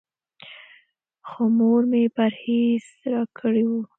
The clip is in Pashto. خو مور مې پرهېز راکړی و.